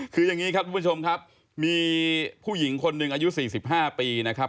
คืออย่างนี้ครับทุกผู้ชมครับมีผู้หญิงคนหนึ่งอายุ๔๕ปีนะครับ